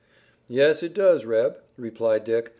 "Yes, it does, Reb," replied Dick.